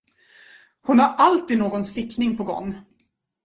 Hon har alltid någon stickning på gång.